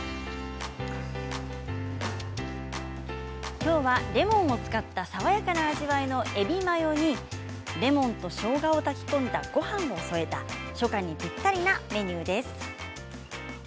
きょうはレモンを使った爽やかな味わいのえびマヨにレモンとしょうがを炊き込んだごはんを添えた初夏にぴったりなメニューです。